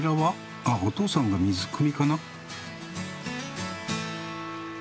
あっおとうさんが水くみかな？